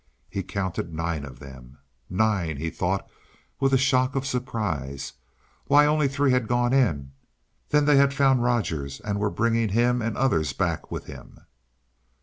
He counted nine of them. Nine! he thought, with a shock of surprise. Why, only three had gone in! Then they had found Rogers, and were bringing him and others back with him!